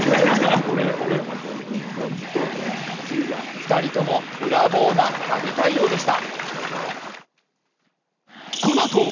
２人ともブラボーな神対応でした。